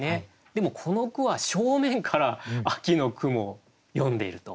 でもこの句は正面から秋の雲を詠んでいると。